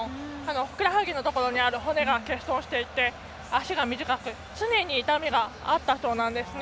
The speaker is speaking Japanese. ふくらはぎのところにある骨が欠損していて足が短く、常に痛みがあったそうなんですね。